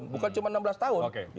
bukan cuma enam belas tahun